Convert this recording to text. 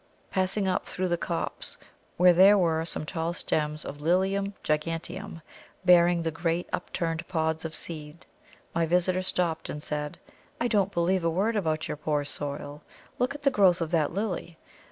Passing up through the copse where there were some tall stems of Lilium giganteum bearing the great upturned pods of seed, my visitor stopped and said, "I don't believe a word about your poor soil look at the growth of that Lily.